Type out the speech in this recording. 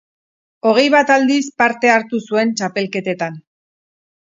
Hogei bat aldiz parte hartu zuen txapelketetan.